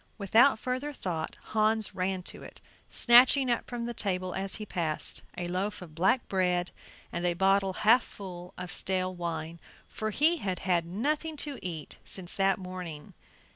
Without further thought Hans ran to it, snatching up from the table as he passed a loaf of black bread and a bottle half full of stale wine, for he had had nothing to eat since that morning.